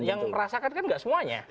yang merasakan kan tidak semuanya